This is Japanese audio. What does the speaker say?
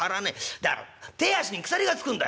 だから手足に鎖がつくんだ」。